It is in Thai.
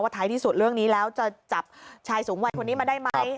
ท้ายที่สุดเรื่องนี้แล้วจะจับชายสูงวัยคนนี้มาได้ไหม